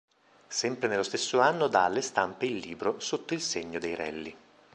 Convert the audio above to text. Sempre nello stesso anno dà alle stampe il libro "Sotto il segno dei Rally".